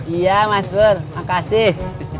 iya mas pur makasih